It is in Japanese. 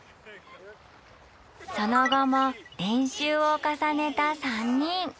その後も練習を重ねた３人。